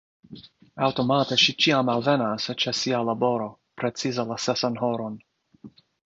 Aŭtomate ŝi ĉiam alvenas ĉe sia laboro, precize la sesan horon.